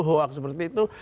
hoak seperti itu